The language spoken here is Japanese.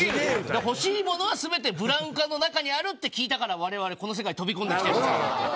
欲しいものは全てブラウン管の中にあるって聞いたからわれわれこの世界に飛び込んできてるんすから。